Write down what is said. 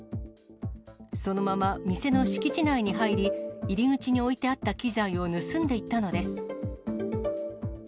そのまま店の敷地内に入り、入り口に置いてあった機材を盗んでいったのです。